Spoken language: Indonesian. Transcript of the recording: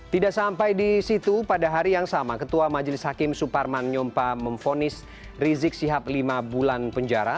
tidak sampai di situ pada hari yang sama ketua majelis hakim suparman nyompa memfonis rizik sihab lima bulan penjara